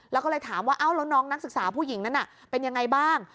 แล้วก็เลยถามว่าเอ้าแล้วน้องนักศึกษาผู้หญิงนั้นเป็นยังไงบ้าง